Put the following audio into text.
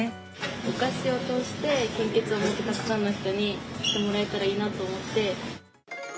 お菓子を通して、献血をたくさんの人にしてもらえたらいいなと思って。